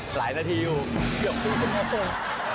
หลายนาทีอยู่เกือบที่จะไม่ต้อง